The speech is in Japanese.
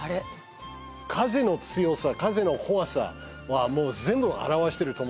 風の強さ風の怖さはもう全部表してると思うんですよね。